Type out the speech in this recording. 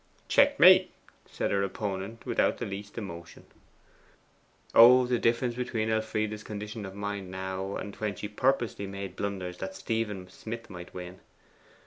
'Checkmate,' said her opponent without the least emotion. Oh, the difference between Elfride's condition of mind now, and when she purposely made blunders that Stephen Smith might win!